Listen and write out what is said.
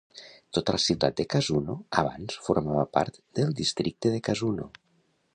Tota la ciutat de Kazuno abans formava part del districte de Kazuno.